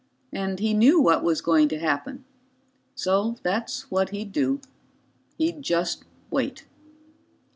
And he knew what was going to happen. So that's what he'd do. He'd just wait.